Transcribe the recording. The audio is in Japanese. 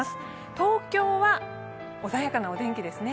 東京は穏やかなお天気ですね。